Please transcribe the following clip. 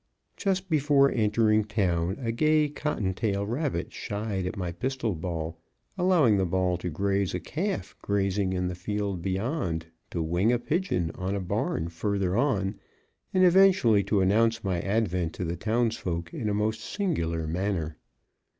Just before entering town a gay cotton tail rabbit shied at my pistol ball, allowing the ball to graze a calf grazing in the field beyond, to wing a pigeon on a barn further on, and eventually to announce my advent to the towns folk in a most singular manner.